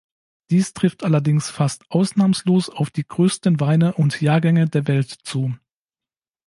Dies trifft allerdings fast ausnahmslos auf die größten Weine und Jahrgänge der Welt zu.